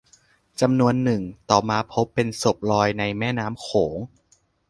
จำนวนหนึ่งต่อมาพบเป็นศพลอยในแม่น้ำโขง